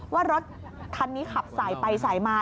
ว่ารถคันนี้ขับสายไปสายมา